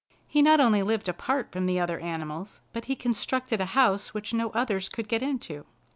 He not only lived apart from the other animals, but he constructed a house which no others could get into.